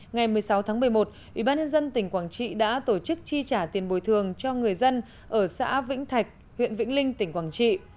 ngày một mươi sáu tháng một mươi một ủy ban nhân dân tỉnh quảng trị đã tổ chức chi trả tiền bồi thường cho người dân ở xã vĩnh thạch huyện vĩnh linh tỉnh quảng trị